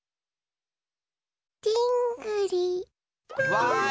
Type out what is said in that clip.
わい！